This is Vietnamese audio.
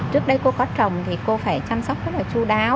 trước đây cô có chồng thì cô phải chăm sóc rất là chú đáo